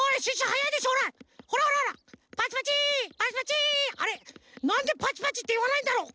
なんでパチパチっていわないんだろうか？